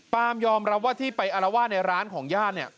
ปาล์มยอมรับว่าที่ไปอาละว่าที่ร้านของญาติเนี่ย